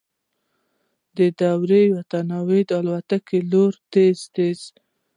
دوو تنو د يوې الوتکې په لور تېز تېز �